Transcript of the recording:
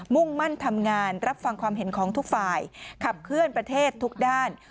มุ่งมั่นทำงานรับฟังความเห็นของทุกฝ่ายขับเคลื่อนประเทศทุกด้าน